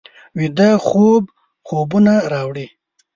ویده خوب خوبونه راوړي